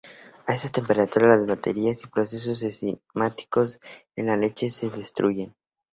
A esta temperatura las bacterias y procesos enzimáticos en la leche se destruyen.